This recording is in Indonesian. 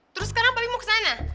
terus sekarang paling mau ke sana